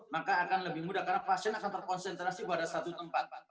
maka akan lebih mudah karena pasien akan terkonsentrasi pada satu tempat pak